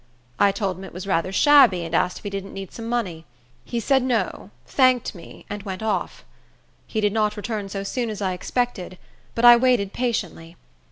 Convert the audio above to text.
I told him it was rather shabby, and asked if he didn't need some money. He said, No, thanked me, and went off. He did not return so soon as I expected; but I waited patiently.